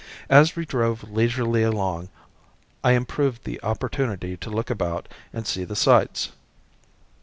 As we drove leisurely along I improved the opportunity to look about and see the sights.